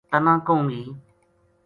تنا کہوں گی